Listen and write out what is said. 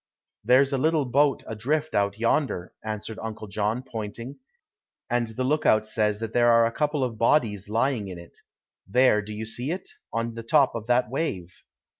"There's a little boat adrift out yonder," answered Uncle John pointing, "and the lookout says that there are a couple of bodies lying in it. There, do you see it, on the top of that wave!"